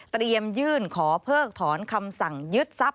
ยื่นขอเพิกถอนคำสั่งยึดทรัพย